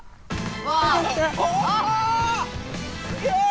わすげえ！